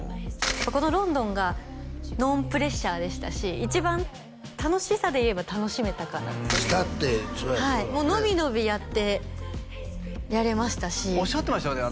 このロンドンがノンプレッシャーでしたし一番楽しさでいえば楽しめたかなっていう下ってそりゃそうやろうねもう伸び伸びやってやれましたしおっしゃってましたよね